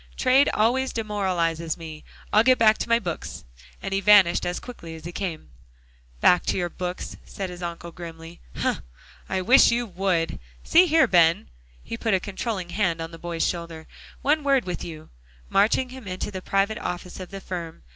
"Trade always demoralizes me. I'll get back to my books," and he vanished as quickly as he came. "Back to your books," said his uncle grimly, "hum, I wish you would. See here, Ben," he put a controlling hand on the boy's shoulder, "one word with you," marching him into the private office of the firm.